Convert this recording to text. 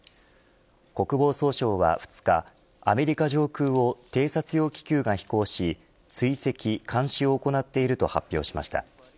国防総省は２日アメリカ上空を偵察用気球が飛行し追跡、監視を行っていると発表しました。